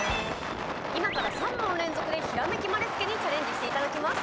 今から３問連続でひらめき丸つけにチャレンジしていただきます。